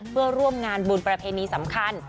เพื่อร่วมงานบุญประเพณีสำคัญ